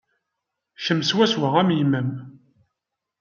Kemm swaswa am yemma-m.